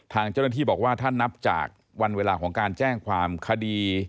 ทางเจ้าหน้าที่บอกว่าถ้านับจากวันเวลาของการแจ้งความคดี